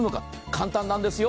簡単なんですよ。